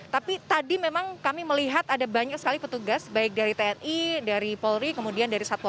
tapi tadi memang kami melihat ada banyak sekali petugas baik dari tni dari polri kemudian dari satwa